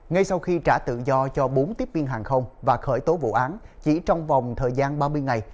ngay sau khi trả tự do cho bốn tiếp viên hàng không và khởi tố vụ án chỉ trong vòng thời gian ba mươi ngày